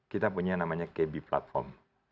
kita punya namanya kb platform